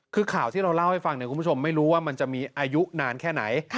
คือข่าวที่เราเล่าให้ฟังคุณผู้ชมไม่รู้ว่ามันจะมีอายุนานแค่ไหน